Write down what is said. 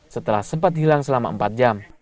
setelah sempat hilang selama empat jam